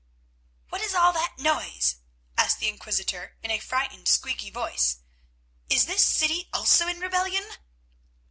"What is all that noise?" asked the Inquisitor in a frightened, squeaky voice. "Is this city also in rebellion?"